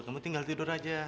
kamu tinggal tidur aja